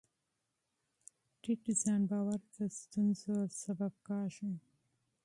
ټیټ ځان باور د ستونزو سبب کېږي.